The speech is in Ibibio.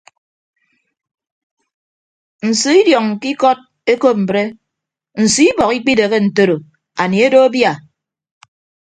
Nso idiọñ ke ikọd ekop ebre nso ibọk ikpidehe ntoro anie edo abia.